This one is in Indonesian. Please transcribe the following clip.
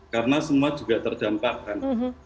karena semua juga terdampak kan